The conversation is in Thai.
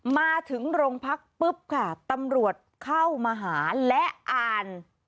มาถึงโรงพักปุ๊บค่ะตำรวจเข้ามาหาและอ่าน